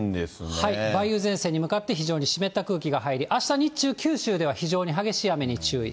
梅雨前線に向かって非常に湿った空気が入り、あした日中、九州では非常に激しい雨に注意。